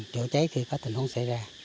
chữa cháy khi có tình huống xảy ra